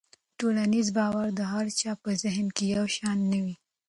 ټولنیز باور د هر چا په ذهن کې یو شان نه وي.